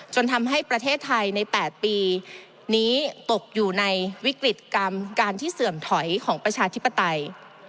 ทำให้ประเทศไทยใน๘ปีนี้ตกอยู่ในวิกฤตกรรมการที่เสื่อมถอยของประชาธิปไตย